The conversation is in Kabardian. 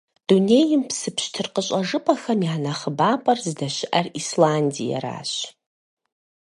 Дунейм псы пщтыр къыщӀэжыпӀэхэм я нэхъыбапӀэр здэщыӀэр Исландиеращ.